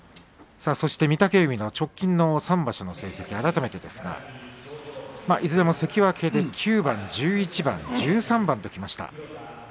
そして御嶽海の直近の３場所の成績改めてですがいずれも関脇で９番１１番１３番ときました。